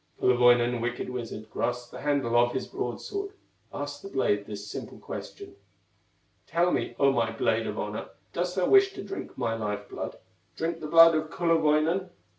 Kullerwoinen, wicked wizard, Grasps the handle of his broadsword, Asks the blade this simple question: "Tell me, O my blade of honor, Dost thou wish to drink my life blood, Drink the blood of Kullerwoinen?"